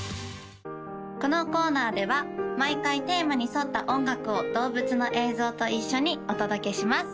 このコーナーでは毎回テーマに沿った音楽を動物の映像と一緒にお届けします